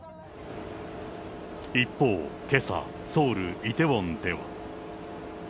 一方、けさ、ソウル・イテウォンでは。